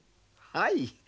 はい。